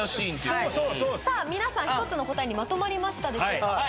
皆さん１つの答えにまとまりましたでしょうか？